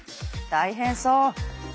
大変そう！